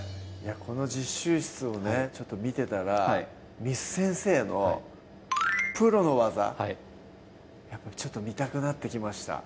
この実習室をね見てたら簾先生のプロの技ちょっと見たくなってきました